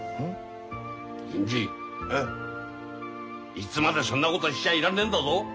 いつまでそんなことしちゃいらんねえんだぞ。